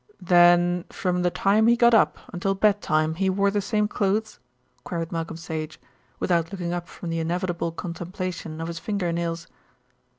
"Then from the time he got up until bedtime he wore the same clothes?" queried Malcolm Sage, without looking up from the inevitable contemplation of his finger nails.